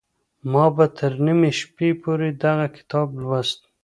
ما به تر نيمي شپې پوري دغه کتاب لوست.